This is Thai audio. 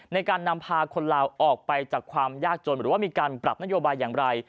ในการนำพาคนลาวออกไปจากความยากจนหรือว่ามีการปรับนโยบายอย่างไร